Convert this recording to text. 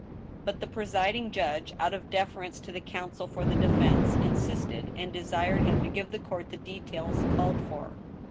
" But the presiding judge, out of deference to the counsel for the defense, insisted, and desired him to give the court the details called for.